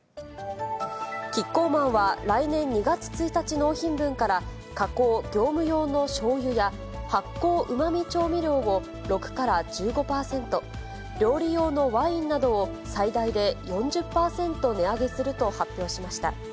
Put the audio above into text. キッコーマンは来年２月１日納品分から、加工・業務用のしょうゆや、発酵うまみ調味料を６から１５％、料理用のワインなどを最大で４０％値上げすると発表しました。